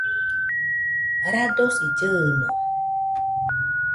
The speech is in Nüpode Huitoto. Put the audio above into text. radosi llɨɨno